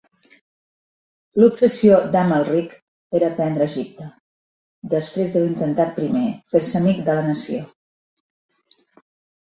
L'obsessió d'Amalric era prendre Egipte, després d'haver intentat primer fer-se amic de la nació.